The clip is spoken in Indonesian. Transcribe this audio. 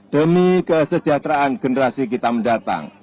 demi kesejahteraan generasi kita mendatang